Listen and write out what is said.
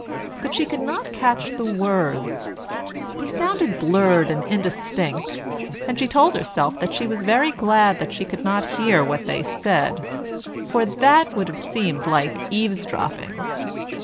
But she could not catch the words; they sounded blurred and indistinct, and she told herself that she was very glad that she could not hear what they said, for that would have seemed like eavesdropping.